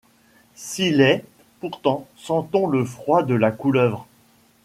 S’Il est, pourquoi sent-on le froid de la couleuvre ?